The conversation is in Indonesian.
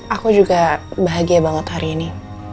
aku juga bahagia banget hari ini